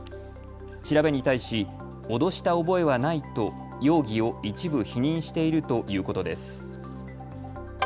調べに対し脅した覚えはないと容疑を一部否認しているということです。